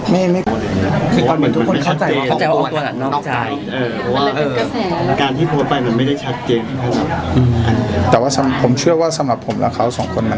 ไม่คือตอนเหมือนทุกคนเข้าใจว่าเขาจะออกจากนอกใจ